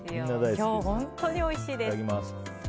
今日、本当においしいです。